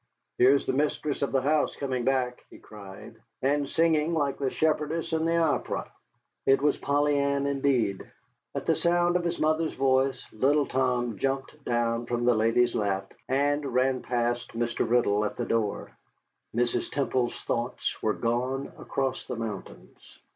"Here is the mistress of the house coming back," he cried, "and singing like the shepherdess in the opera." It was Polly Ann indeed. At the sound of his mother's voice, little Tom jumped down from the lady's lap and ran past Mr. Riddle at the door. Mrs. Temple's thoughts were gone across the mountains.